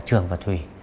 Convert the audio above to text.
trường và thùy